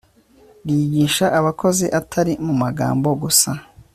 ryigisha abakozi atari mu magambo gusa